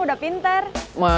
iya n dedicate keku tuh